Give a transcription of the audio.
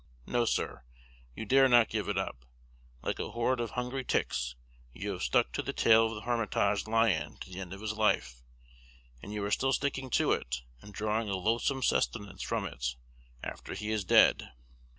No, sir, you dare not give it up. Like a horde of hungry ticks, you have stuck to the tail of the Hermitage lion to the end of his life; and you are still sticking to it, and drawing a loathsome sustenance from it, after he is dead.